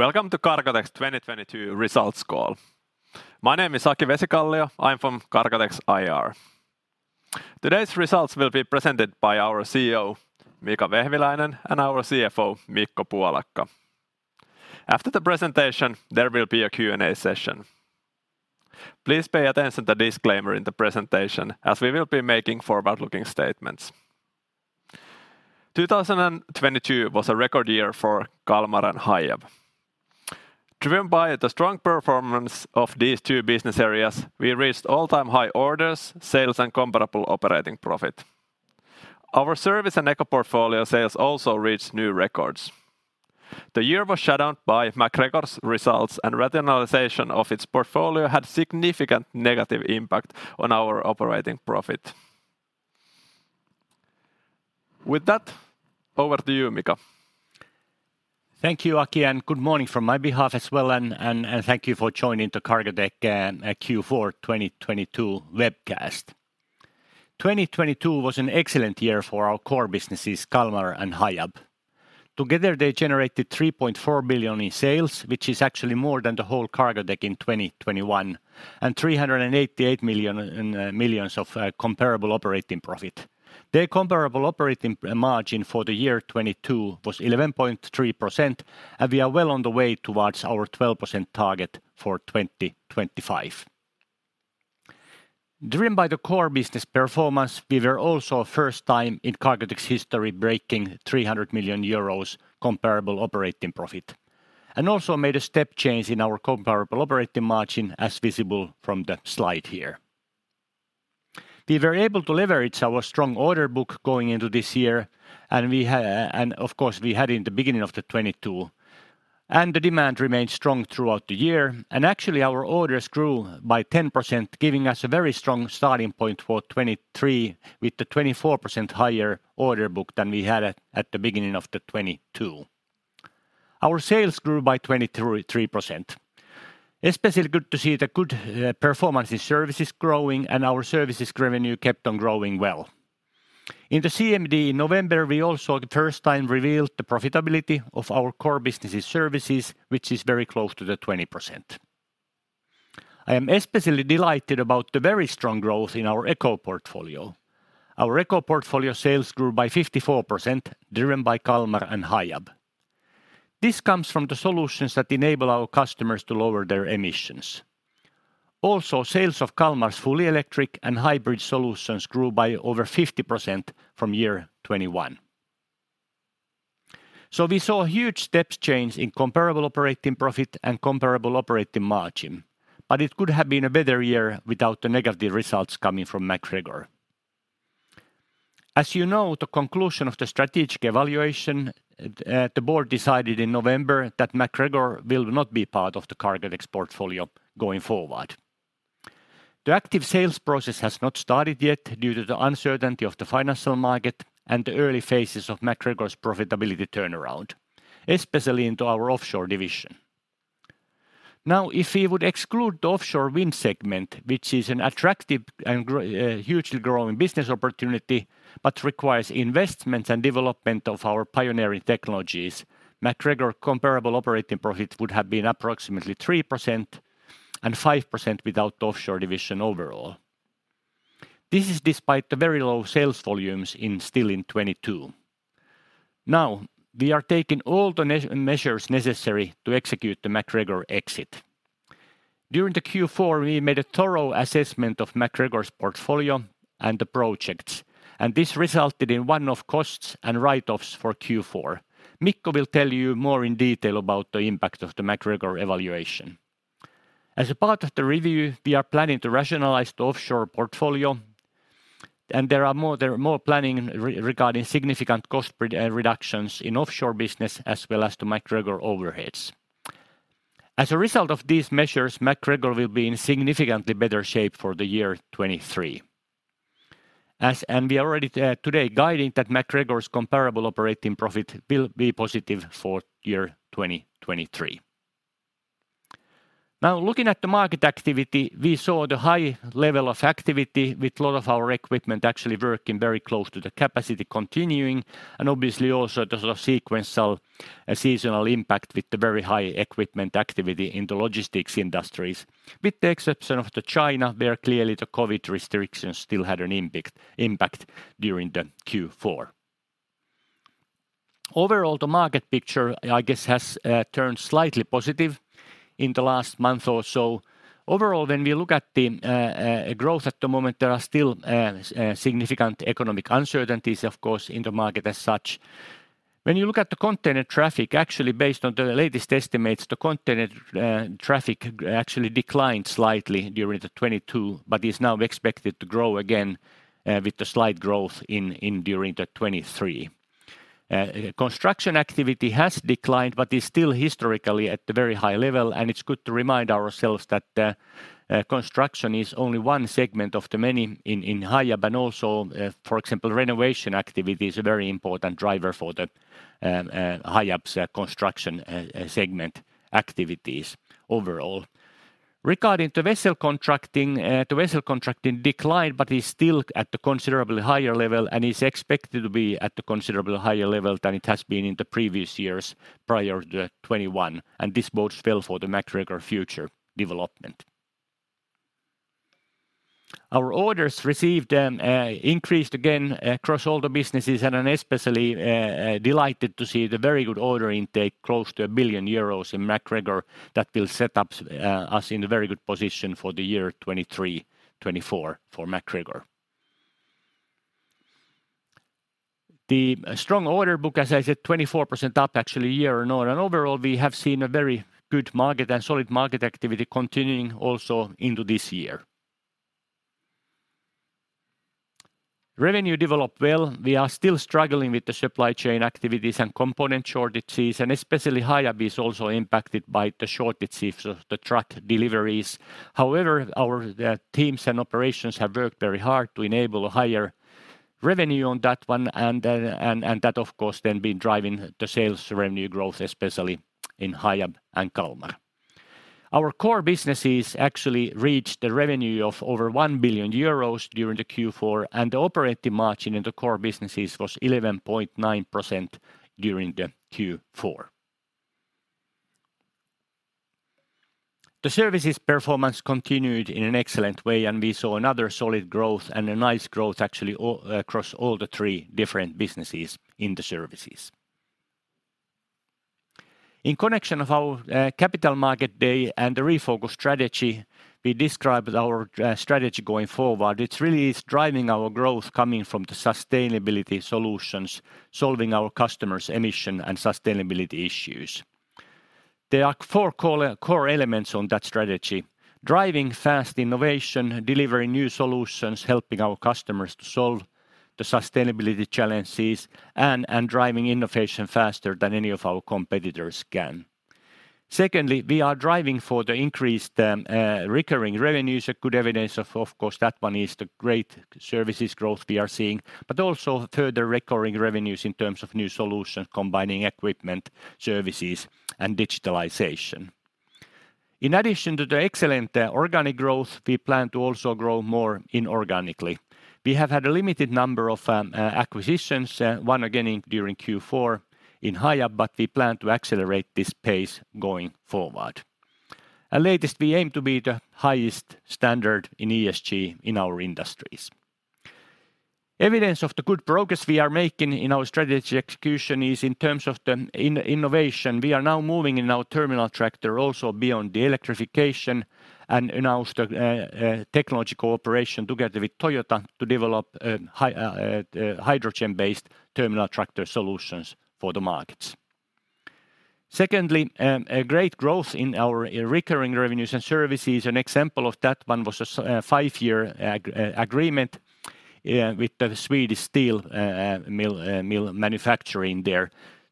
Welcome to Cargotec's 2022 results call. My name is Aki Vesikallio. I'm from Cargotec's IR. Today's results will be presented by our CEO, Mika Vehviläinen, and our CFO, Mikko Puolakka. After the presentation, there will be a Q&A session. Please pay attention to disclaimer in the presentation, as we will be making forward-looking statements. 2022 was a record year for Kalmar and Hiab. Driven by the strong performance of these two Business Areas, we reached all-time high orders, sales, and comparable operating profit. Our service and eco-portfolio sales also reached new records. The year was shut down by MacGregor's results, and rationalization of its portfolio had significant negative impact on our operating profit. With that, over to you, Mika. Thank you, Aki, good morning from my behalf as well, thank you for joining the Cargotec Q4 2022 webcast. 2022 was an excellent year for our core businesses, Kalmar and Hiab. Together, they generated 3.4 billion in sales, which is actually more than the whole Cargotec in 2021, 388 million of comparable operating profit. Their comparable operating margin for the year 2022 was 11.3%. We are well on the way towards our 12% target for 2025. Driven by the core business performance, we were also first time in Cargotec's history breaking 300 million euros comparable operating profit and also made a step change in our comparable operating margin, as visible from the slide here. We were able to leverage our strong order book going into this year, and of course we had in the beginning of 2022, and the demand remained strong throughout the year. Actually, our orders grew by 10%, giving us a very strong starting point for 2023, with the 24% higher order book than we had at the beginning of 2022. Our sales grew by 23%. Especially good to see the good performance in services growing and our services revenue kept on growing well. In the CMD in November, we also first time revealed the profitability of our core business' services, which is very close to 20%. I am especially delighted about the very strong growth in our eco portfolio. Our eco portfolio sales grew by 54%, driven by Kalmar and Hiab. This comes from the solutions that enable our customers to lower their emissions. Sales of Kalmar's fully electric and hybrid solutions grew by over 50% from year 2021. We saw a huge steps change in comparable operating profit and comparable operating margin, it could have been a better year without the negative results coming from MacGregor. As you know, the conclusion of the strategic evaluation, the board decided in November that MacGregor will not be part of the Cargotec's portfolio going forward. The active sales process has not started yet due to the uncertainty of the financial market and the early phases of MacGregor's profitability turnaround, especially into our offshore division. If we would exclude the offshore wind segment, which is an attractive and hugely growing business opportunity but requires investments and development of our pioneering technologies, MacGregor comparable operating profit would have been approximately 3%, and 5% without the offshore division overall. This is despite the very low sales volumes still in 2022. We are taking all the measures necessary to execute the MacGregor exit. During the Q4, we made a thorough assessment of MacGregor's portfolio and the projects, this resulted in one-off costs and write-offs for Q4. Mikko will tell you more in detail about the impact of the MacGregor evaluation. As a part of the review, we are planning to rationalize the offshore portfolio, there are more planning regarding significant cost reductions in offshore business as well as the MacGregor overheads. As a result of these measures, MacGregor will be in significantly better shape for the year 2023. We are already today guiding that MacGregor's comparable operating profit will be positive for year 2023. Looking at the market activity, we saw the high level of activity with a lot of our equipment actually working very close to the capacity continuing, obviously also the sort of sequential seasonal impact with the very high equipment activity in the logistics industries, with the exception of China, where clearly the COVID restrictions still had an impact during the Q4. The market picture, I guess, has turned slightly positive in the last month or so. When we look at the growth at the moment, there are still significant economic uncertainties, of course, in the market as such. When you look at the container traffic, actually based on the latest estimates, the container traffic actually declined slightly during 2022 but is now expected to grow again with the slight growth during 2023. Construction activity has declined but is still historically at the very high level. It's good to remind ourselves that construction is only one segment of the many in Hiab and also, for example, renovation activity is a very important driver for the Hiab's construction segment activities overall. Regarding the vessel contracting, the vessel contracting declined but is still at the considerably higher level and is expected to be at the considerably higher level than it has been in the previous years prior to 2021, and this bodes well for the MacGregor future development. Our orders received increased again across all the businesses. I'm especially delighted to see the very good order intake, close to 1 billion euros, in MacGregor that will set up us in a very good position for the year 2023, 2024 for MacGregor. The strong order book, as I said, 24% up actually year-on-year. Overall, we have seen a very good market and solid market activity continuing also into this year. Revenue developed well. We are still struggling with the supply chain activities and component shortages, and especially Hiab is also impacted by the shortages of the truck deliveries. However, our teams and operations have worked very hard to enable a higher revenue on that one and that of course then been driving the sales revenue growth, especially in Hiab and Kalmar. Our core businesses actually reached a revenue of over 1 billion euros during the Q4, and the operating margin in the core businesses was 11.9% during the Q4. The services performance continued in an excellent way, and we saw another solid growth and a nice growth actually across all the three different businesses in the services. In connection of our Capital Markets Day and the Refocus strategy, we described our strategy going forward. It really is driving our growth coming from the sustainability solutions, solving our customers' emission and sustainability issues. There are four core elements on that strategy: driving fast innovation, delivering new solutions, helping our customers to solve the sustainability challenges, and driving innovation faster than any of our competitors can. Secondly, we are driving for the increased recurring revenues. A good evidence of course, that one is the great services growth we are seeing, but also further recurring revenues in terms of new solutions combining equipment, services, and digitalization. In addition to the excellent organic growth, we plan to also grow more inorganically. We have had a limited number of acquisitions, one again in during Q4 in Hiab, but we plan to accelerate this pace going forward. Latest, we aim to be the highest standard in ESG in our industries. Evidence of the good progress we are making in our strategy execution is in terms of the innovation. We are now moving in our terminal tractor also beyond the electrification and announced a technology cooperation together with Toyota to develop hydrogen-based terminal tractor solutions for the markets. Secondly, a great growth in our recurring revenues and services. An example of that one was a five-year agreement with the Swedish steel mill manufacturing there.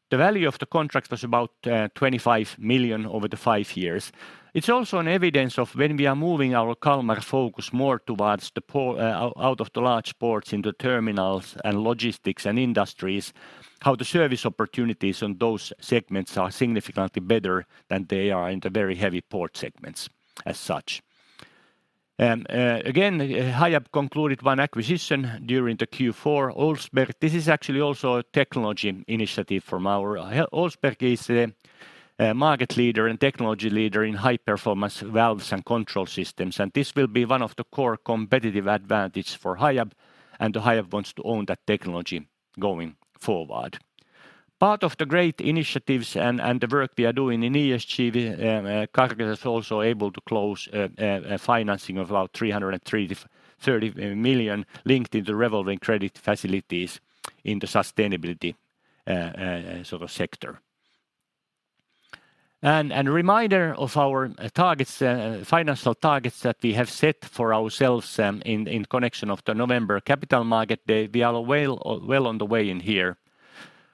The value of the contract was about 25 million over the five years. It's also an evidence of when we are moving our Kalmar focus more towards out of the large ports into terminals and logistics and industries, how the service opportunities on those segments are significantly better than they are in the very heavy port segments as such. Again, Hiab concluded one acquisition during the Q4, Olsbergs. This is actually also a technology initiative from our. Olsbergs is a market leader and technology leader in high-performance valves and control systems, and this will be one of the core competitive advantage for Hiab, and Hiab wants to own that technology going forward. Part of the great initiatives and the work we are doing in ESG, Cargotec is also able to close a financing of about 330 million linked in the revolving credit facilities in the sustainability sort of sector. A reminder of our targets, financial targets that we have set for ourselves, in connection of the November Capital Market Day. We are well on the way in here.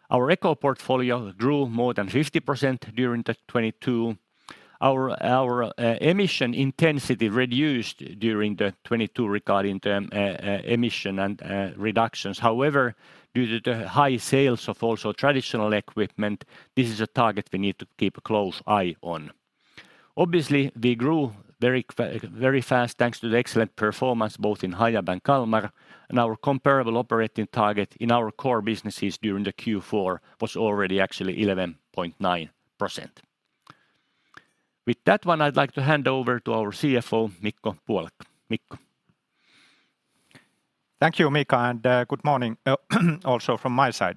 Our eco-portfolio grew more than 50% during 2022. Our emission intensity reduced during 2022 regarding the emission and reductions. However, due to the high sales of also traditional equipment, this is a target we need to keep a close eye on. Obviously, we grew very fast thanks to the excellent performance both in Hiab and Kalmar, and our comparable operating target in our core businesses during the Q4 was already actually 11.9%. With that one, I'd like to hand over to our CFO, Mikko Puolakka. Mikko? Thank you, Mika. Good morning, also from my side.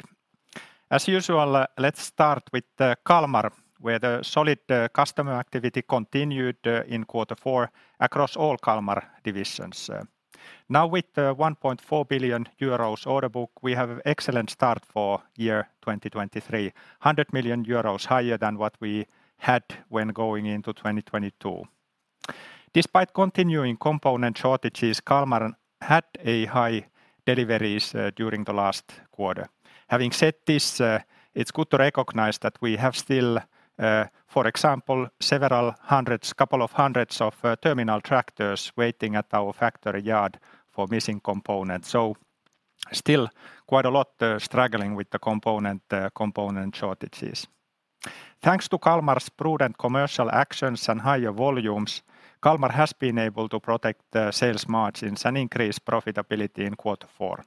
As usual, let's start with Kalmar, where the solid customer activity continued in quarter four across all Kalmar divisions. With the 1.4 billion euros order book, we have excellent start for year 2023, 100 million euros higher than what we had when going into 2022. Despite continuing component shortages, Kalmar had high deliveries during the last quarter. Having said this, it's good to recognize that we have still, for example, couple of hundreds of terminal tractors waiting at our factory yard for missing components. Still quite a lot struggling with the component shortages. Thanks to Kalmar's prudent commercial actions and higher volumes, Kalmar has been able to protect the sales margins and increase profitability in quarter four.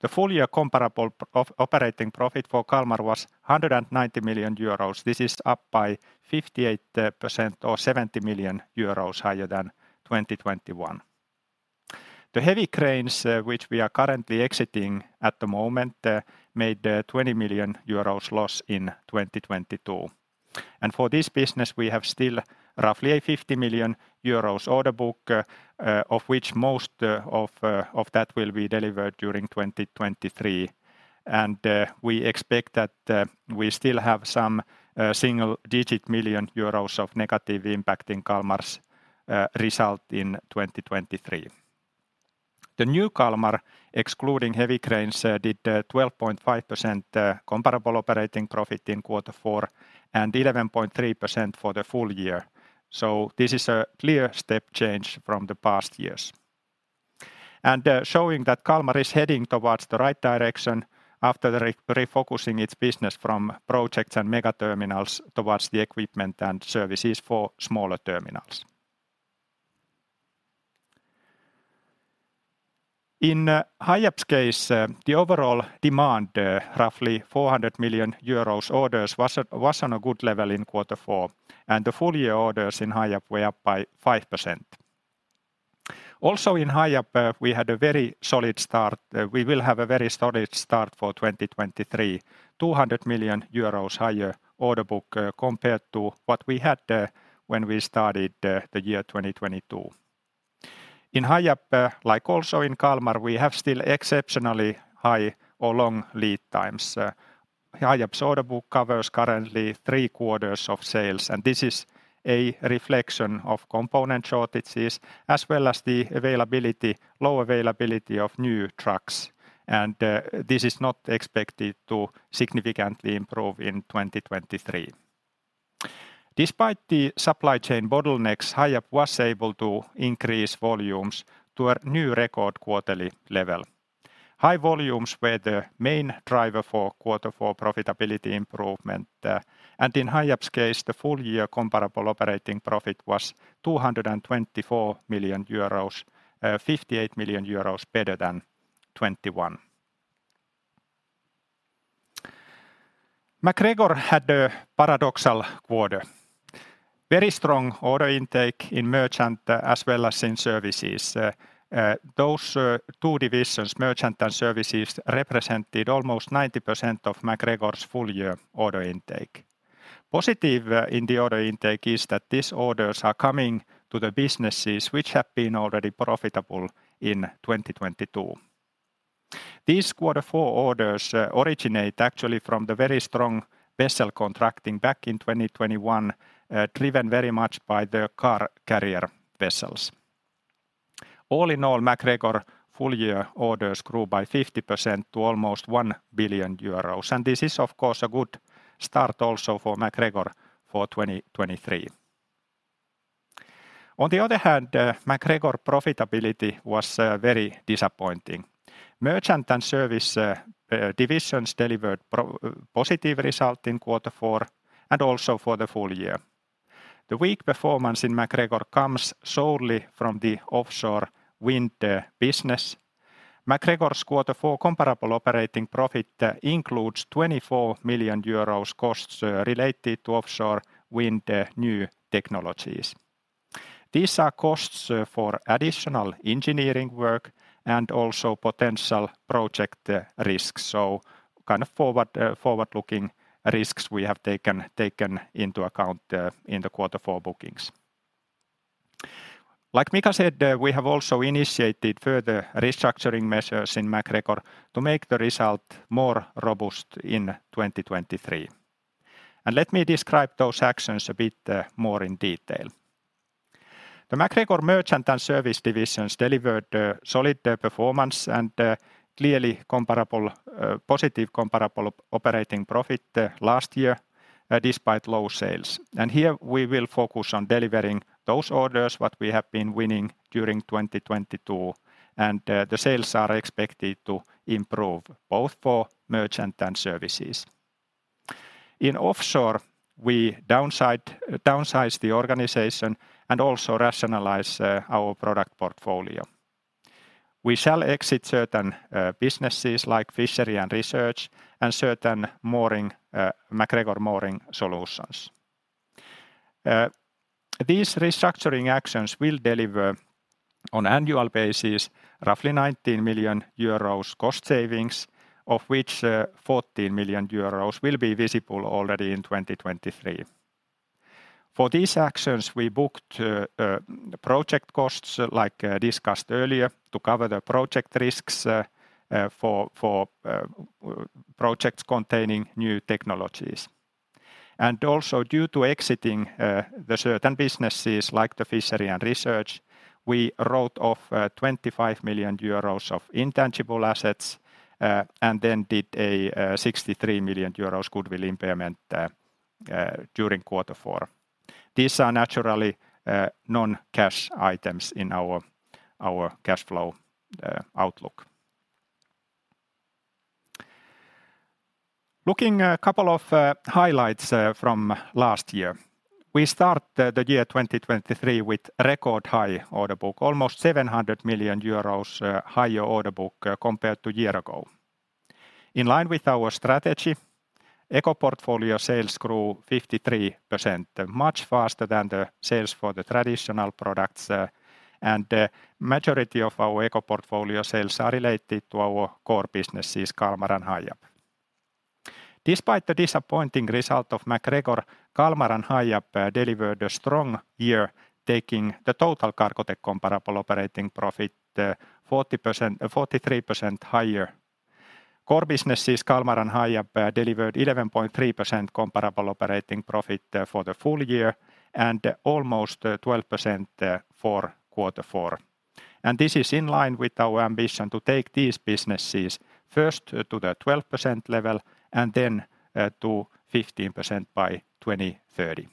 The full year comparable operating profit for Kalmar was 190 million euros. This is up by 58% or 70 million euros higher than 2021. The heavy cranes, which we are currently exiting at the moment, made 20 million euros loss in 2022. For this business, we have still roughly a 50 million euros order book, of which most of that will be delivered during 2023. We expect that we still have some single-digit million EUR of negative impact in Kalmar's result in 2023. The new Kalmar, excluding heavy cranes, did 12.5% comparable operating profit in quarter four and 11.3% for the full year. This is a clear step change from the past years. Showing that Kalmar is heading towards the right direction after refocusing its business from projects and mega terminals towards the equipment and services for smaller terminals. Hiab's case, the overall demand, roughly 400 million euros orders was on a good level in quarter four, and the full year orders in Hiab were up by 5%. In Hiab, we had a very solid start. We will have a very solid start for 2023, 200 million euros higher order book, compared to what we had, when we started the year 2022. In Hiab, like also in Kalmar, we have still exceptionally high or long lead times. Hiab's order book covers currently three quarters of sales, and this is a reflection of component shortages as well as the low availability of new trucks. This is not expected to significantly improve in 2023. Despite the supply chain bottlenecks, Hiab was able to increase volumes to a new record quarterly level. High volumes were the main driver for Q4 profitability improvement. In Hiab's case, the full year comparable operating profit was 224 million euros, 58 million euros better than 2021. MacGregor had a paradoxical quarter. Very strong order intake in Merchant, as well as in Services. Those two divisions, Merchant and Services, represented almost 90% of MacGregor's full year order intake. Positive in the order intake is that these orders are coming to the businesses which have been already profitable in 2022. These quarter four orders originate actually from the very strong vessel contracting back in 2021, driven very much by the car carrier vessels. All in all, MacGregor full year orders grew by 50% to almost 1 billion euros. This is of course a good start also for MacGregor for 2023. On the other hand, MacGregor profitability was very disappointing. Merchant and Service divisions delivered positive result in quarter four and also for the full year. The weak performance in MacGregor comes solely from the offshore wind business. MacGregor's quarter four comparable operating profit includes 24 million euros costs related to offshore wind new technologies. These are costs for additional engineering work and also potential project risks. kind of forward-looking risks we have taken into account in the quarter four bookings. Like Mika said, we have also initiated further restructuring measures in MacGregor to make the result more robust in 2023. let me describe those actions a bit more in detail. The MacGregor Merchant and Service divisions delivered a solid performance and clearly comparable positive comparable operating profit last year despite low sales. here we will focus on delivering those orders, what we have been winning during 2022. the sales are expected to improve both for Merchant and Services. In Offshore, we downsize the organization and also rationalize our product portfolio. We shall exit certain businesses like fishery and research and certain mooring MacGregor mooring solutions. These restructuring actions will deliver on annual basis roughly 19 million euros cost savings, of which 14 million euros will be visible already in 2023. For these actions, we booked project costs, like discussed earlier, to cover the project risks for projects containing new technologies. Also due to exiting the certain businesses like the fishery and research, we wrote off 25 million euros of intangible assets and then did a 63 million euros goodwill impairment during Q4. These are naturally non-cash items in our cash flow outlook. Looking a couple of highlights from last year. We start the year 2023 with record high order book, almost 700 million euros higher order book compared to year ago. In line with our strategy, Eco portfolio sales grew 53%, much faster than the sales for the traditional products, and the majority of our Eco portfolio sales are related to our core businesses, Kalmar and Hiab. Despite the disappointing result of MacGregor, Kalmar and Hiab delivered a strong year, taking the total Cargotec comparable operating profit 43% higher. Core businesses Kalmar and Hiab delivered 11.3% comparable operating profit for the full year and almost 12% for Q4. This is in line with our ambition to take these businesses first to the 12% level and then to 15% by 2030.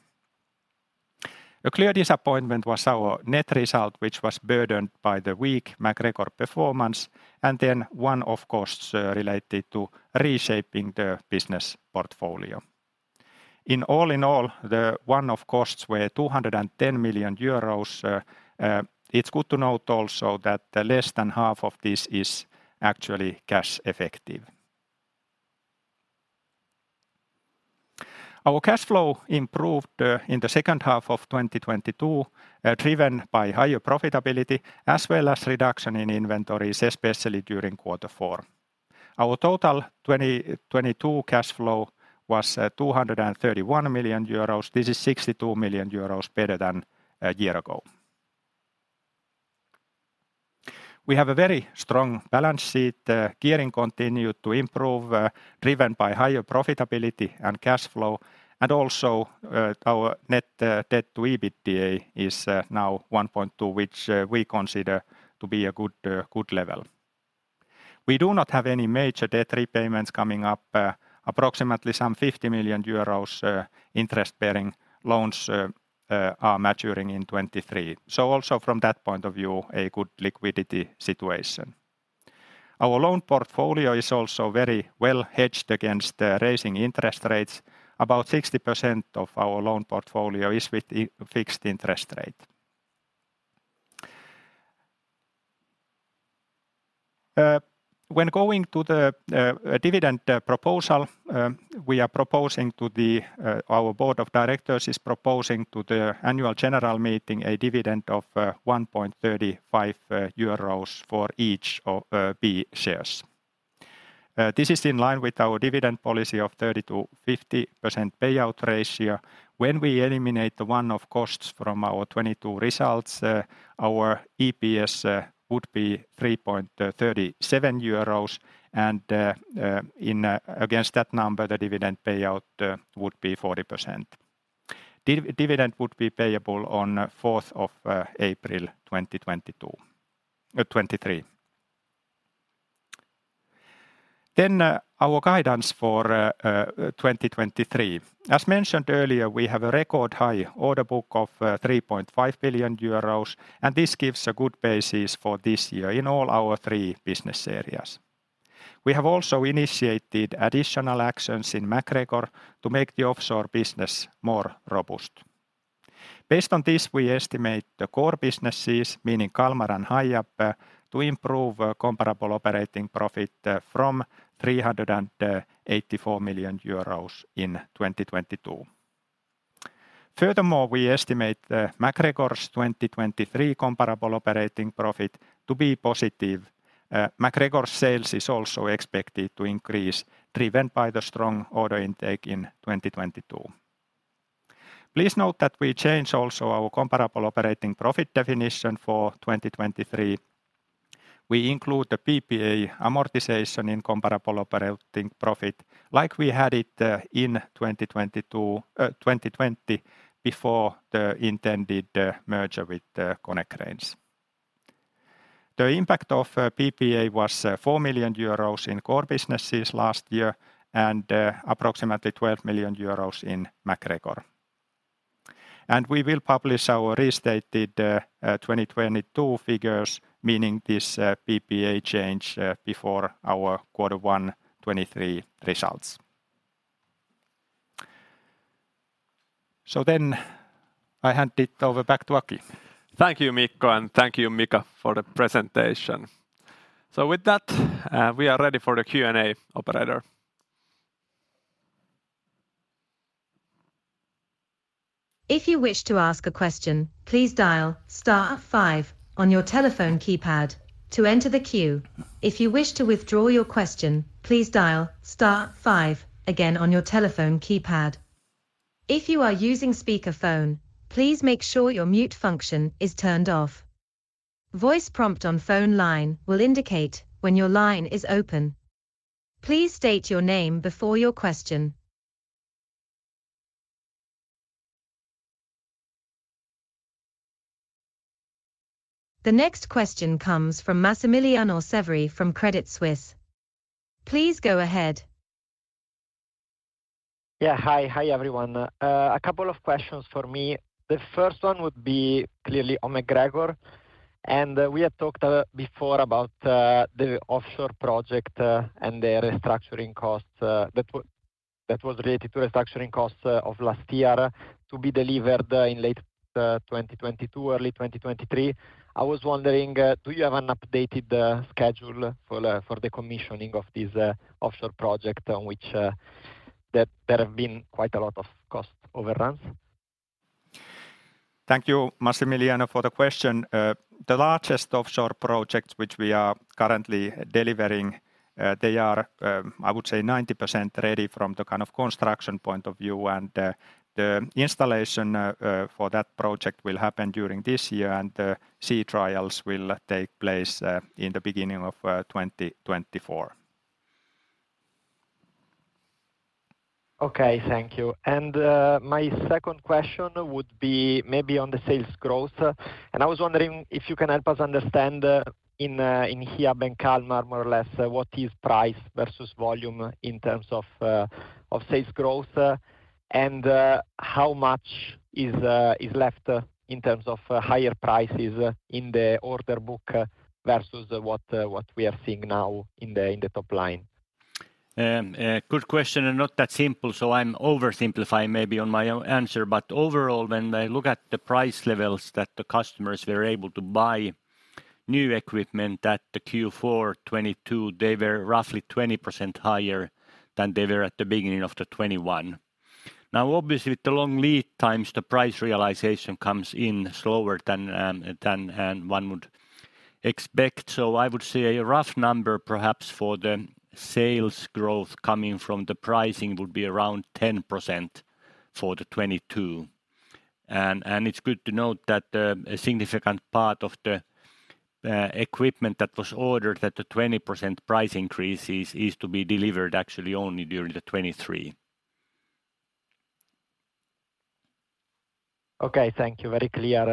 A clear disappointment was our net result, which was burdened by the weak MacGregor performance and then one-off costs related to reshaping the business portfolio. In all, the one-off costs were 210 million euros. It's good to note also that less than half of this is actually cash effective. Our cash flow improved in the second half of 2022, driven by higher profitability as well as reduction in inventories, especially during quarter four. Our total 2022 cash flow was 231 million euros. This is 62 million euros better than a year ago. We have a very strong balance sheet. Gearing continued to improve, driven by higher profitability and cash flow. Our net debt-to-EBITDA is now 1.2, which we consider to be a good level. We do not have any major debt repayments coming up. Approximately 50 million euros interest-bearing loans are maturing in 2023. Also from that point of view, a good liquidity situation. Our loan portfolio is also very well hedged against the raising interest rates. About 60% of our loan portfolio is with fixed interest rate. When going to the dividend proposal, our Board of Directors is proposing to the annual general meeting a dividend of 1.35 euros for each of B shares. This is in line with our dividend policy of 30%-50% payout ratio. When we eliminate the one-off costs from our 2022 results, our EPS would be 3.37 euros, and against that number, the dividend payout would be 40%. Dividend would be payable on April 4th, 2023. Our guidance for 2023. As mentioned earlier, we have a record high order book of 3.5 billion euros, and this gives a good basis for this year in all our three Business Areas. We have also initiated additional actions in MacGregor to make the offshore business more robust. Based on this, we estimate the core businesses, meaning Kalmar and Hiab, to improve comparable operating profit from 384 million euros in 2022. Furthermore, we estimate MacGregor's 2023 comparable operating profit to be positive. MacGregor's sales is also expected to increase, driven by the strong order intake in 2022. Please note that we change also our comparable operating profit definition for 2023. We include the PPA amortization in comparable operating profit like we had it in 2020 before the intended merger with Konecranes. The impact of PPA was 4 million euros in core businesses last year and approximately 12 million euros in MacGregor. We will publish our restated 2022 figures, meaning this PPA change before our Q1 2023 results. I hand it over back to Aki. Thank you, Mikko, and thank you, Mika, for the presentation. With that, we are ready for the Q&A. Operator. If you wish to ask a question, please dial star five on your telephone keypad to enter the queue. If you wish to withdraw your question, please dial star five again on your telephone keypad. If you are using speakerphone, please make sure your mute function is turned off. Voice prompt on phone line will indicate when your line is open. Please state your name before your question. The next question comes from Massimiliano Severi from Credit Suisse. Please go ahead. Yeah, hi. Hi, everyone. A couple of questions for me. The first one would be clearly on MacGregor. We had talked before about the offshore project and the restructuring costs that was related to restructuring costs of last year to be delivered in late 2022, early 2023. I was wondering, do you have an updated schedule for for the commissioning of this offshore project on which that there have been quite a lot of cost overruns? Thank you, Massimiliano, for the question. The largest offshore projects which we are currently delivering, they are, I would say 90% ready from the kind of construction point of view. The installation for that project will happen during this year, and the sea trials will take place in the beginning of 2024. Okay, thank you. My second question would be maybe on the sales growth. I was wondering if you can help us understand in Hiab and Kalmar more or less, what is price versus volume in terms of sales growth? How much is left in terms of higher prices in the order book versus what we are seeing now in the top line? Good question. Not that simple. I'm oversimplifying maybe on my own answer. Overall, when I look at the price levels that the customers were able to buy new equipment at the Q4 2022, they were roughly 20% higher than they were at the beginning of 2021. Obviously, with the long lead times, the price realization comes in slower than one would expect. I would say a rough number perhaps for the sales growth coming from the pricing would be around 10% for 2022. It's good to note that a significant part of the equipment that was ordered at the 20% price increase is to be delivered actually only during 2023. Okay, thank you. Very clear.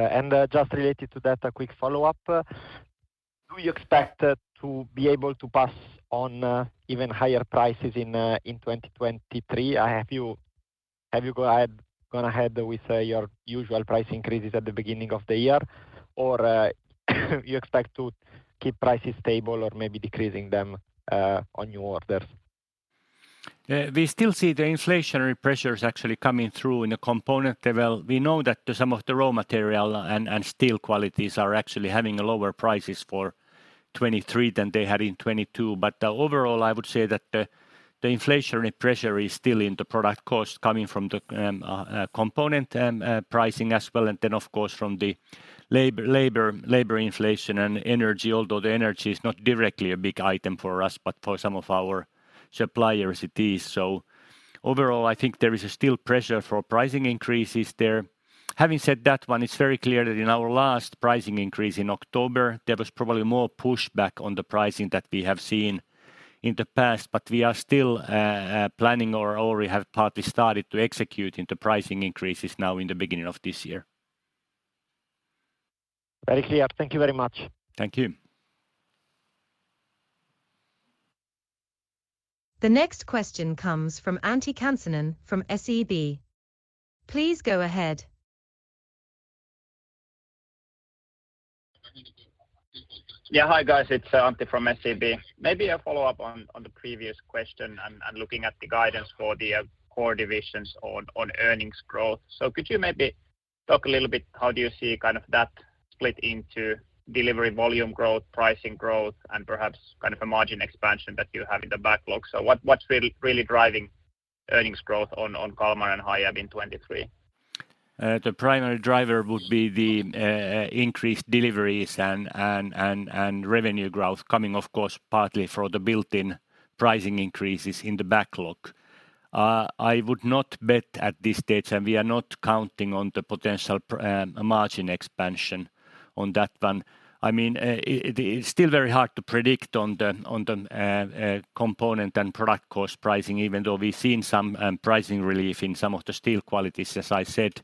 Just related to that, a quick follow-up. Do you expect to be able to pass on even higher prices in 2023? Have you gone ahead with your usual price increases at the beginning of the year? You expect to keep prices stable or maybe decreasing them on new orders? We still see the inflationary pressures actually coming through in the component level. We know that some of the raw material and steel qualities are actually having lower prices for 2023 than they had in 2022. Overall, I would say that the inflationary pressure is still in the product cost coming from the component pricing as well, and then of course from the labor inflation and energy, although the energy is not directly a big item for us, but for some of our suppliers it is. Overall, I think there is still pressure for pricing increases there. Having said that one, it's very clear that in our last pricing increase in October, there was probably more pushback on the pricing that we have seen in the past. We are still planning or already have partly started to execute into pricing increases now in the beginning of this year. Very clear. Thank you very much. Thank you. The next question comes from Antti Kansanen from SEB. Please go ahead. Yeah. Hi, guys. It's Antti from SEB. Maybe a follow-up on the previous question and looking at the guidance for the core divisions on earnings growth. Could you maybe talk a little bit how do you see kind of that split into delivery volume growth, pricing growth, and perhaps kind of a margin expansion that you have in the backlog? What's really driving earnings growth on Kalmar and Hiab in 2023? The primary driver would be the increased deliveries and revenue growth coming of course partly for the built-in pricing increases in the backlog. I would not bet at this stage, and we are not counting on the potential margin expansion on that one. I mean, it's still very hard to predict on the component and product cost pricing, even though we've seen some pricing relief in some of the steel qualities, as I said.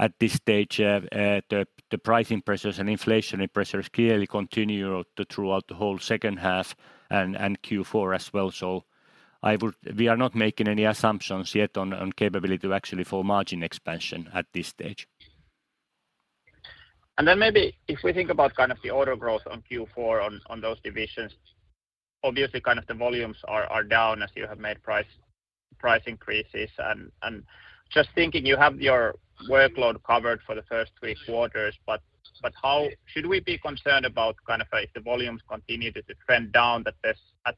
At this stage, the pricing pressures and inflationary pressures clearly continue throughout the whole second half and Q4 as well. We are not making any assumptions yet on capability actually for margin expansion at this stage. Maybe if we think about kind of the order growth on Q4 on those divisions, obviously kind of the volumes are down as you have made price increases. Just thinking you have your workload covered for the first three quarters, but how should we be concerned about kind of if the volumes continue to trend down that this at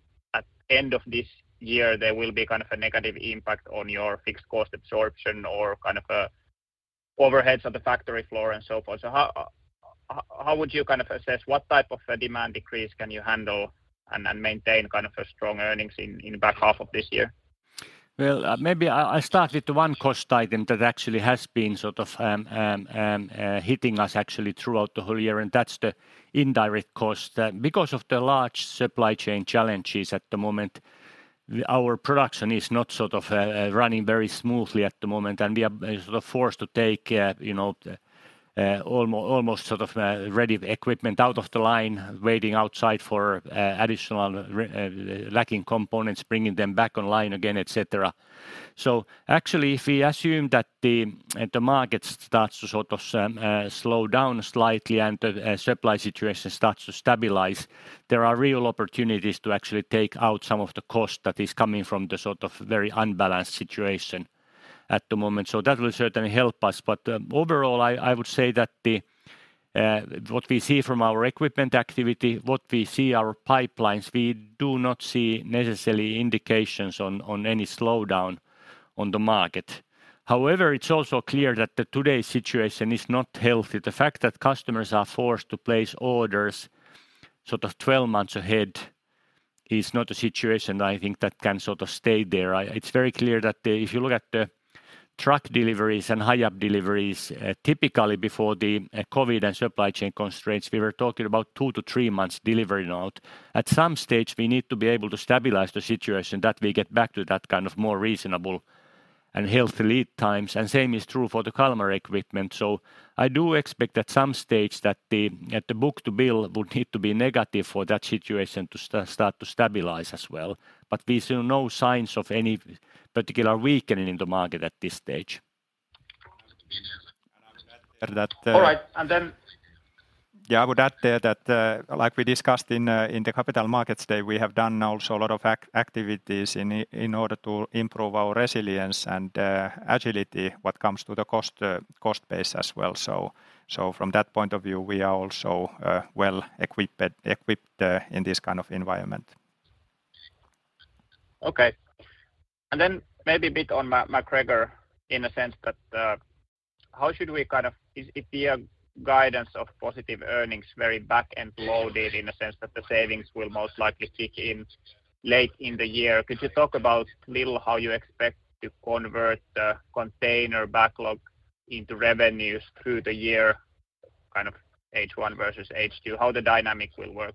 end of this year, there will be kind of a negative impact on your fixed cost absorption or kind of overheads of the factory floor and so forth? How would you kind of assess what type of a demand decrease can you handle and maintain kind of a strong earnings in the back half of this year? Maybe I start with the one cost item that actually has been sort of hitting us actually throughout the whole year, and that's the indirect cost. Because of the large supply chain challenges at the moment. Our production is not sort of running very smoothly at the moment, and we are sort of forced to take, you know, almost sort of ready equipment out of the line, waiting outside for additional lacking components, bringing them back online again, et cetera. Actually, if we assume that the market starts to sort of slow down slightly and the supply situation starts to stabilize, there are real opportunities to actually take out some of the cost that is coming from the sort of very unbalanced situation at the moment. That will certainly help us. But, overall, I would say that the what we see from our equipment activity, what we see our pipelines, we do not see necessarily indications on any slowdown on the market. However, it's also clear that the today's situation is not healthy. The fact that customers are forced to place orders sort of 12 months ahead is not a situation I think that can sort of stay there. It's very clear that the If you look at the truck deliveries and Hiab deliveries, typically before the COVID and supply chain constraints, we were talking about two to three months delivery note. At some stage, we need to be able to stabilize the situation that we get back to that kind of more reasonable and healthy lead times, and same is true for the Kalmar equipment. I do expect at some stage that the book-to-bill would need to be negative for that situation to start to stabilize as well. We see no signs of any particular weakening in the market at this stage. I would add there that. All right. Yeah, I would add there that, like we discussed in the Capital Markets Day, we have done now so a lot of activities in order to improve our resilience and agility, what comes to the cost base as well. From that point of view, we are also well-equipped in this kind of environment. Okay. Then maybe a bit on MacGregor in a sense that, how should we kind of... Is the guidance of positive earnings very back-end loaded in the sense that the savings will most likely kick in late in the year? Could you talk about little how you expect to convert the container backlog into revenues through the year, kind of H1 versus H2, how the dynamics will work?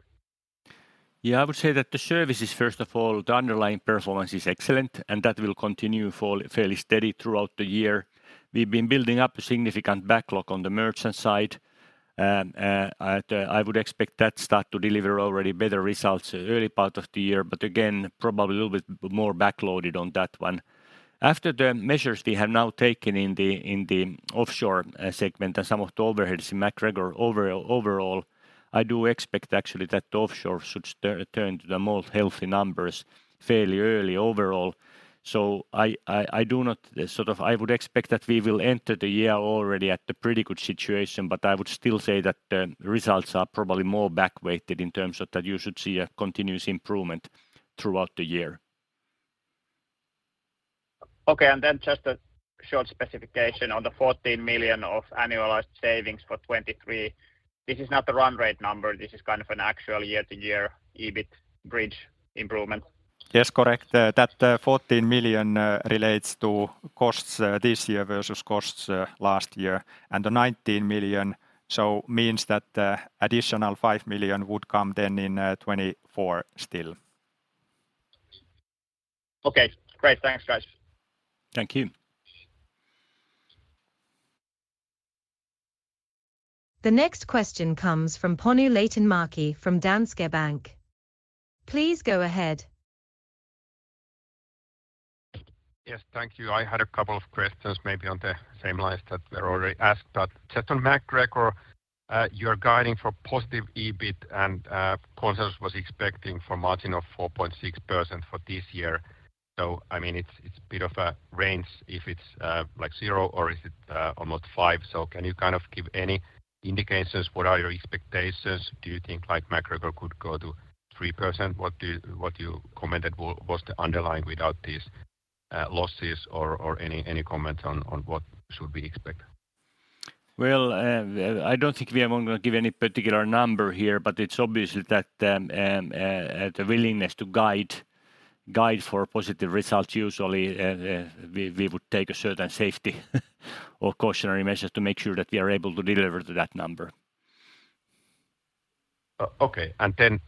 I would say that the services, first of all, the underlying performance is excellent, and that will continue for fairly steady throughout the year. We've been building up a significant backlog on the Merchant side. I would expect that start to deliver already better results early part of the year, but again, probably a little bit more back-loaded on that one. After the measures we have now taken in the in the offshore segment and some of the overheads in MacGregor, overall, I do expect actually that the offshore should turn to the more healthy numbers fairly early overall. I do not sort of... I would expect that we will enter the year already at a pretty good situation, but I would still say that the results are probably more back-weighted in terms of that you should see a continuous improvement throughout the year. Okay. Just a short specification on the 14 million of annualized savings for 2023. This is not the run rate number. This is kind of an actual year-to-year EBIT bridge improvement. Yes, correct. That 14 million relates to costs this year versus costs last year. The 19 million means that additional 5 million would come in 2024 still. Okay. Great. Thanks, guys. Thank you. The next question comes from Panu Laitinmäki from Danske Bank. Please go ahead. Yes. Thank you. I had a couple of questions maybe on the same lines that were already asked. Just on MacGregor, you're guiding for positive EBIT and consensus was expecting for margin of 4.6% for this year. I mean, it's a bit of a range if it's like zero or is it almost five. Can you kind of give any indications what are your expectations? Do you think like MacGregor could go to 3%? What do you, what you commented was the underlying without these losses or any comments on what should we expect? Well, I don't think we are only gonna give any particular number here, but it's obvious that the willingness to guide for positive results usually, we would take a certain safety or cautionary measures to make sure that we are able to deliver to that number. Okay.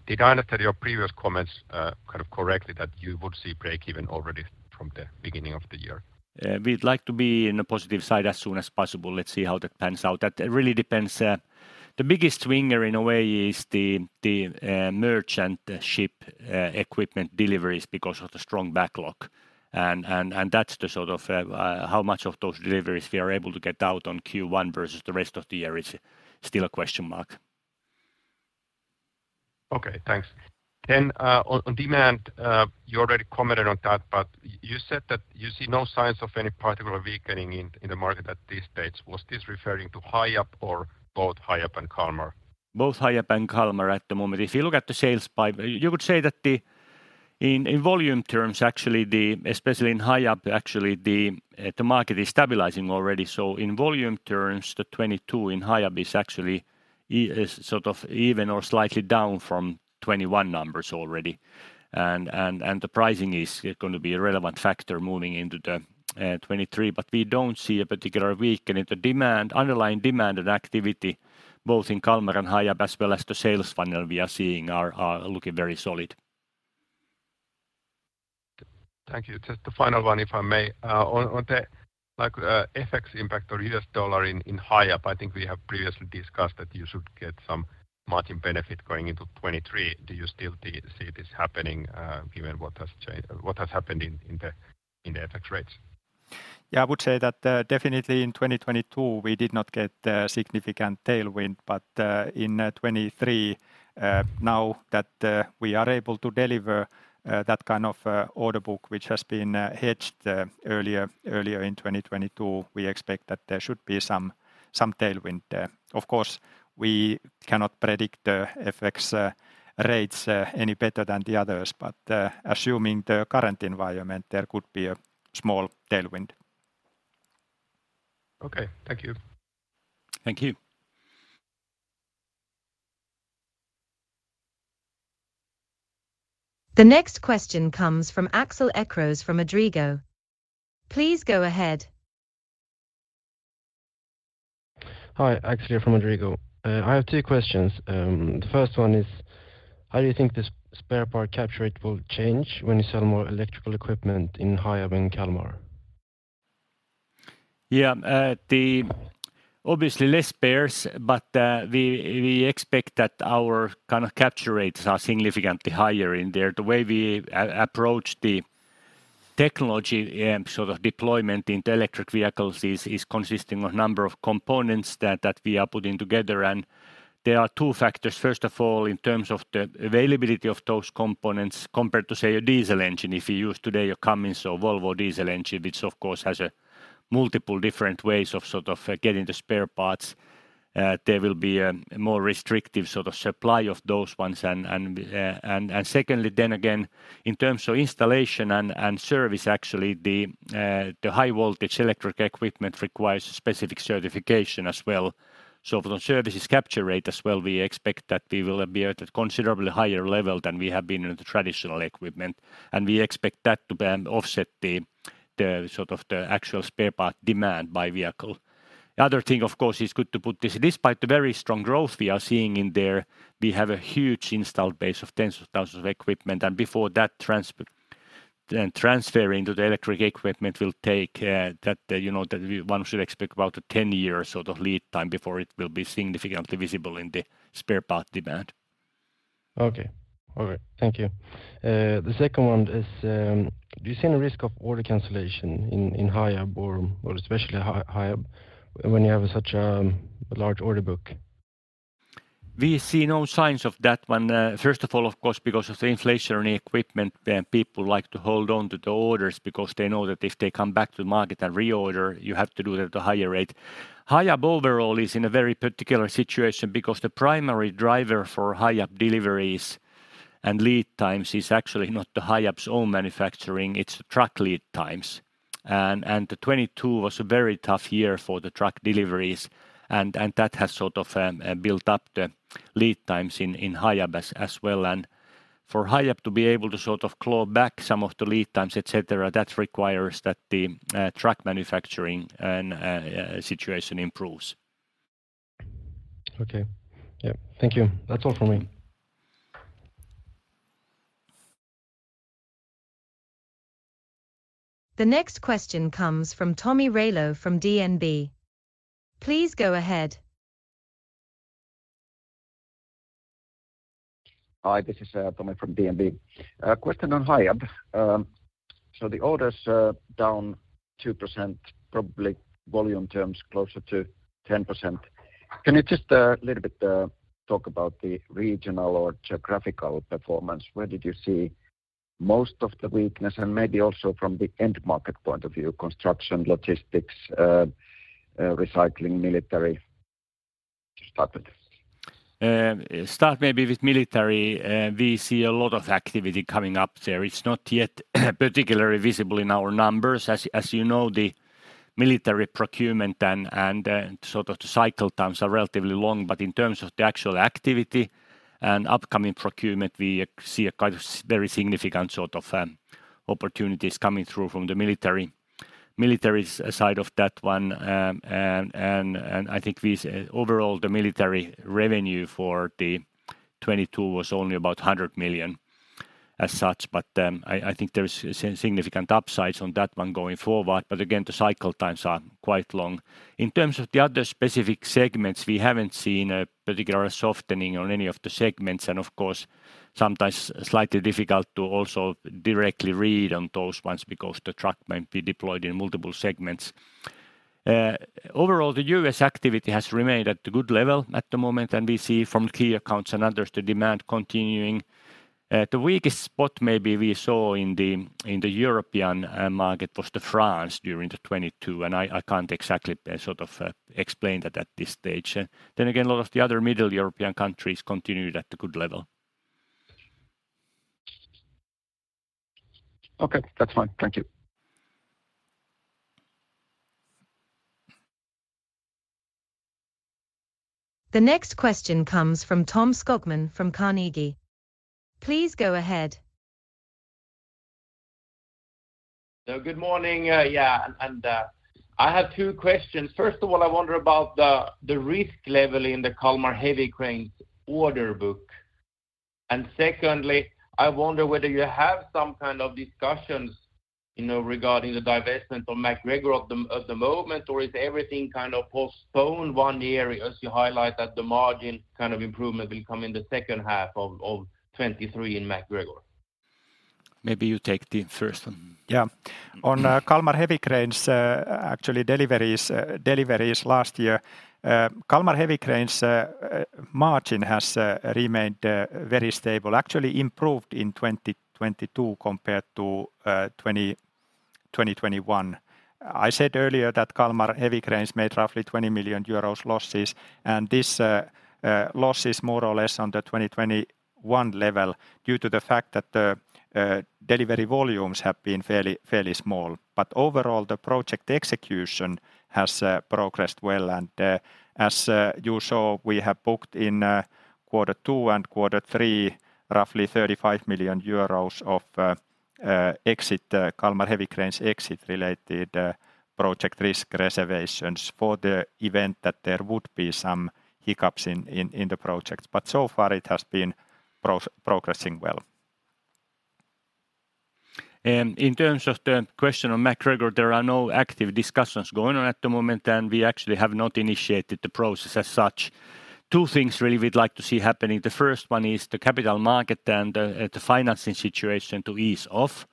Did I understand your previous comments, kind of correctly that you would see break even already from the beginning of the year? We'd like to be in a positive side as soon as possible. Let's see how that pans out. That really depends, the biggest winner in a way is the merchant ship equipment deliveries because of the strong backlog. That's the sort of, how much of those deliveries we are able to get out on Q1 versus the rest of the year is still a question mark. Okay. Thanks. On demand, you already commented on that, you said that you see no signs of any particular weakening in the market at this stage. Was this referring to Hiab or both Hiab and Kalmar? Both Hiab and Kalmar at the moment. If you look at the sales pipe, you would say that in volume terms, actually the, especially in Hiab, actually the market is stabilizing already. In volume terms, the 2022 in Hiab is actually is sort of even or slightly down from 2021 numbers already. The pricing is gonna be a relevant factor moving into the 2023. We don't see a particular weakening. The demand, underlying demand and activity both in Kalmar and Hiab as well as the sales funnel we are seeing are looking very solid. Thank you. Just a final one, if I may. On the, like, FX impact or US dollar in Hiab, I think we have previously discussed that you should get some margin benefit going into 2023. Do you still see this happening, given what has happened in the FX rates? Yeah, I would say that definitely in 2022 we did not get the significant tailwind, but in 2023, now that we are able to deliver that kind of order book which has been hedged earlier in 2022, we expect that there should be some tailwind there. Of course, we cannot predict the FX rates any better than the others, but assuming the current environment, there could be a small tailwind. Okay. Thank you. Thank you. The next question comes from Axel Ekros from ABG Sundal Collier. Please go ahead. Hi. Axel from ABG Sundal Collier. I have two questions. The first one is: how do you think this spare part capture rate will change when you sell more electrical equipment in Hiab and Kalmar? Obviously less spares, but we expect that our kind of capture rates are significantly higher in there. The way we approach the technology and sort of deployment in the electric vehicles is consisting of number of components that we are putting together, and there are two factors. First of all, in terms of the availability of those components compared to, say, a diesel engine. If you use today a Cummins or Volvo diesel engine, which of course has a multiple different ways of getting the spare parts, there will be a more restrictive sort of supply of those ones. Secondly then again, in terms of installation and service actually, the high-voltage electric equipment requires specific certification as well. For the services capture rate as well, we expect that we will be at a considerably higher level than we have been in the traditional equipment. We expect that to then offset the sort of the actual spare part demand by vehicle. The other thing, of course, it's good to put this, despite the very strong growth we are seeing in there, we have a huge installed base of tens of thousands of equipment, and before that transferring to the electric equipment will take, you know, that one should expect about a 10-year sort of lead time before it will be significantly visible in the spare part demand. Okay. All right. Thank you. The second one is, do you see any risk of order cancellation in Hiab or especially Hiab when you have such a large order book? We see no signs of that one. First of all, of course, because of the inflationary equipment and people like to hold on to the orders because they know that if they come back to the market and reorder, you have to do it at a higher rate. Hiab overall is in a very particular situation because the primary driver for Hiab deliveries and lead times is actually not the Hiab's own manufacturing, it's truck lead times. The 2022 was a very tough year for the truck deliveries, and that has sort of built up the lead times in Hiab as well. For Hiab to be able to sort of claw back some of the lead times, et cetera, that requires that the truck manufacturing and situation improves. Okay. Yeah. Thank you. That's all from me. The next question comes from Tomi Railo from DNB. Please go ahead. Hi. This is Tomi from DNB. Question on Hiab. The orders are down 2%, probably volume terms closer to 10%. Can you just little bit talk about the regional or geographical performance? Where did you see most of the weakness? Maybe also from the end market point of view, construction, logistics, recycling, military to start with. Start maybe with military. We see a lot of activity coming up there. It's not yet particularly visible in our numbers. As you know, the military procurement and sort of the cycle times are relatively long. In terms of the actual activity and upcoming procurement, we see a kind of very significant sort of opportunities coming through from the military's side of that one. I think we Overall, the military revenue for 2022 was only about 100 million as such, I think there's significant upsides on that one going forward. Again, the cycle times are quite long. In terms of the other specific segments, we haven't seen a particular softening on any of the segments. Of course, sometimes slightly difficult to also directly read on those ones because the truck might be deployed in multiple segments. Overall, the U.S. activity has remained at a good level at the moment, and we see from key accounts and others the demand continuing. The weakest spot maybe we saw in the European market was France during 2022, and I can't exactly sort of explain that at this stage. Again, a lot of the other Middle European countries continued at a good level. Okay. That's fine. Thank you. The next question comes from Tom Skogman from Carnegie. Please go ahead. Good morning. Yeah, I have two questions. First of all, I wonder about the risk level in the Kalmar heavy cranes order book. Secondly, I wonder whether you have some kind of discussions, you know, regarding the divestment of MacGregor at the moment, or is everything kind of postponed one year as you highlight that the margin kind of improvement will come in the second half of 2023 in MacGregor? Maybe you take the first one. On Kalmar Heavy Cranes, actually delivery is last year. Kalmar Heavy Cranes margin has remained very stable, actually improved in 2022 compared to 2021. I said earlier that Kalmar Heavy Cranes made roughly 20 million euros losses, this loss is more or less on the 2021 level due to the fact that the delivery volumes have been fairly small. Overall, the project execution has progressed well, as you saw, we have booked in Q2 and Q3 roughly 35 million euros of exit, Kalmar Heavy Cranes exit-related project risk reservations for the event that there would be some hiccups in the project. So far it has been progressing well. In terms of the question on MacGregor, there are no active discussions going on at the moment, and we actually have not initiated the process as such. Two things really we'd like to see happening. The first one is the capital market and the financing situation to ease off.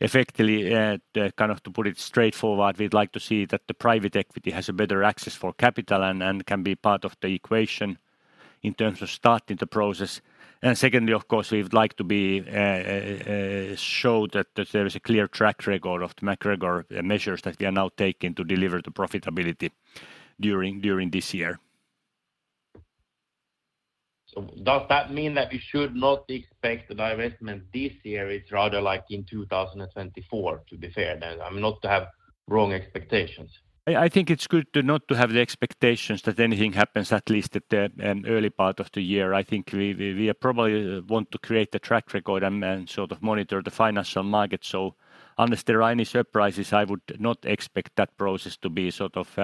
Effectively, kind of to put it straightforward, we'd like to see that the private equity has a better access for capital and can be part of the equation in terms of starting the process. Secondly, of course, we would like to be show that there is a clear track record of the MacGregor measures that we are now taking to deliver the profitability during this year. Does that mean that we should not expect the divestment this year? It's rather like in 2024, to be fair then. I mean, not to have wrong expectations. I think it's good to not to have the expectations that anything happens, at least at the early part of the year. I think we probably want to create the track record and then sort of monitor the financial market. Unless there are any surprises, I would not expect that process to be sort of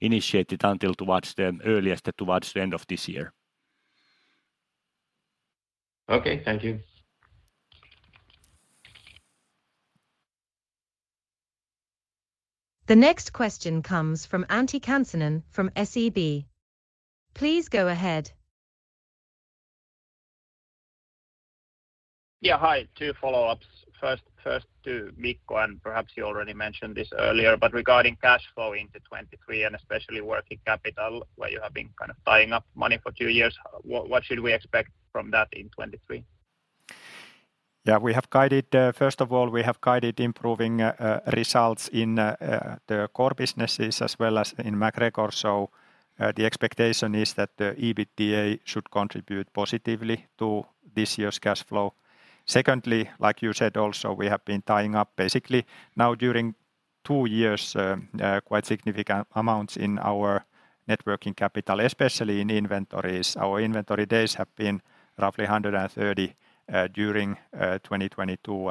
initiated until towards the earliest, towards the end of this year. Okay. Thank you. The next question comes from Antti Kansanen from SEB. Please go ahead. Yeah, hi. Two follow-ups. First to Mikko, and perhaps you already mentioned this earlier, but regarding cash flow into 2023 and especially working capital, where you have been kind of tying up money for two years, what should we expect from that in 2023? We have guided, first of all, we have guided improving results in the core businesses as well as in MacGregor. The expectation is that the EBITDA should contribute positively to this year's cash flow. Secondly, like you said also, we have been tying up basically now during two years, quite significant amounts in our networking capital, especially in inventories. Our inventory days have been roughly 130 during 2022.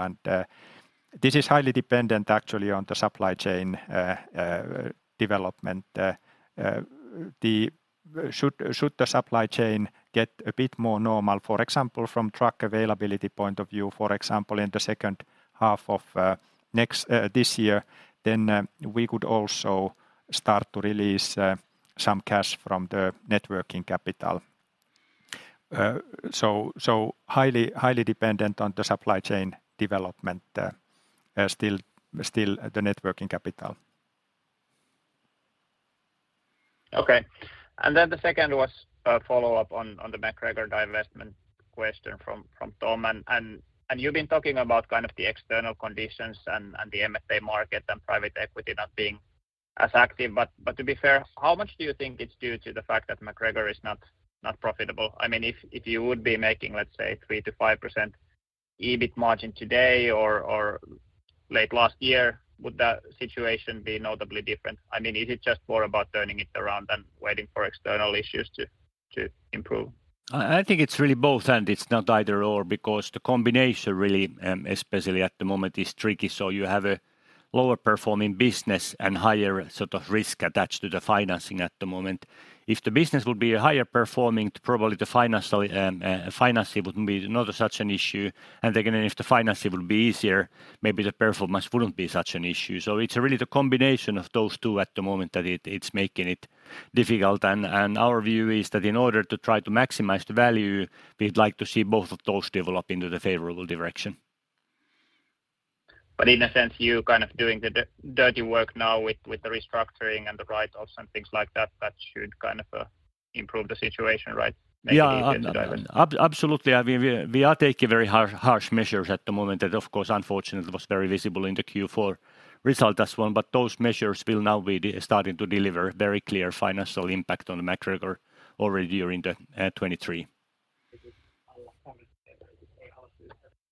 This is highly dependent actually on the supply chain development. Should the supply chain get a bit more normal, for example, from truck availability point of view, for example, in the second half of this year, then we could also start to release some cash from the networking capital. Highly dependent on the supply chain development, still the networking capital. Okay. The second was a follow-up on the MacGregor divestment question from Tom. You've been talking about kind of the external conditions and the M&A market and private equity not being as active. To be fair, how much do you think it's due to the fact that MacGregor is not profitable? I mean, if you would be making, let's say 3%-5% EBIT margin today or late last year, would the situation be notably different? I mean, is it just more about turning it around and waiting for external issues to improve? I think it's really both, and it's not either/or because the combination really, especially at the moment is tricky. You have a lower performing business and higher sort of risk attached to the financing at the moment. If the business would be higher performing, probably the financial financing wouldn't be not as such an issue. Again, if the financing would be easier, maybe the performance wouldn't be such an issue. It's really the combination of those two at the moment that it's making it difficult. Our view is that in order to try to maximize the value, we'd like to see both of those develop into the favorable direction. In a sense, you kind of doing the dirty work now with the restructuring and the write-offs and things like that should kind of improve the situation, right? Make it easier to divest. Yeah. Absolutely. I mean, we are taking very harsh measures at the moment that of course unfortunately was very visible in the Q4 result as well. Those measures will now be starting to deliver very clear financial impact on MacGregor already during the 2023. All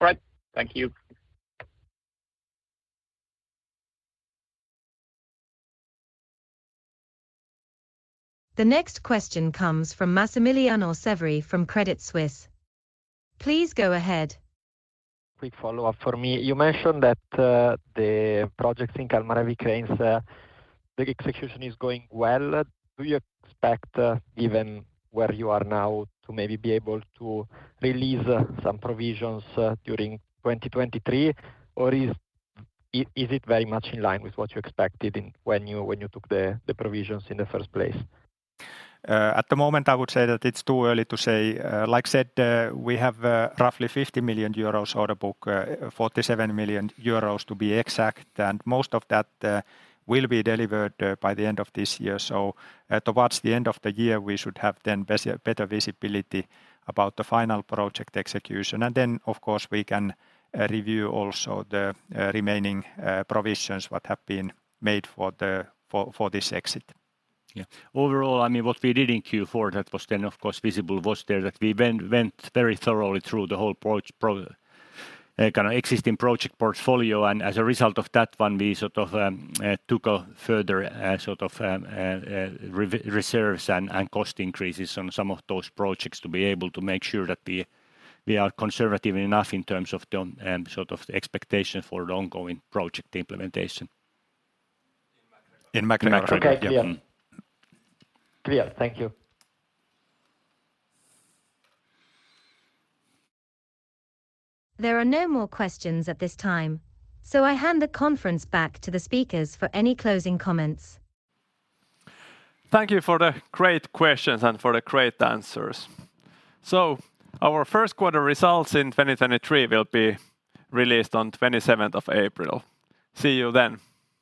right. Thank you. The next question comes from Massimiliano Severi from Credit Suisse. Please go ahead. Quick follow-up for me. You mentioned that, the projects in Kalmar and cranes, the execution is going well. Do you expect, even where you are now to maybe be able to release some provisions, during 2023? Is it very much in line with what you expected when you took the provisions in the first place? At the moment, I would say that it's too early to say. Like I said, we have roughly 50 million euros order book, 47 million euros to be exact, and most of that will be delivered by the end of this year. Towards the end of the year, we should have then better visibility about the final project execution. Of course, we can review also the remaining provisions what have been made for this exit. Overall, I mean, what we did in Q4 that was, of course, visible was there that we went very thoroughly through the whole kind of existing project portfolio. As a result of that one, we sort of took a further sort of reserves and cost increases on some of those projects to be able to make sure that we are conservative enough in terms of the sort of expectation for the ongoing project implementation. In MacGregor. Okay. Clear. Yeah. Clear. Thank you. There are no more questions at this time, so I hand the conference back to the speakers for any closing comments. Thank you for the great questions and for the great answers. Our first quarter results in 2023 will be released on 27th of April. See you then.